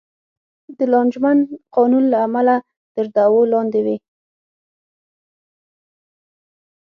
د لانجمن قانون له امله تر دعوو لاندې وې.